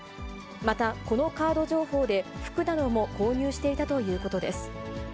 また、このカード情報で服なども購入していたということです。